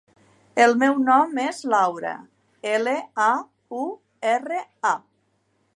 El meu nom és Laura: ela, a, u, erra, a.